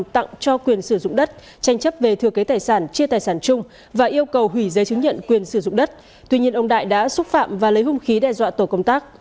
tuy nhiên ông đại đã xúc phạm và lấy hung khí đe dọa tổ công tác